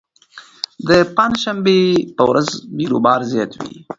د پنجشنبې په ورځ بېروبار زیات وي.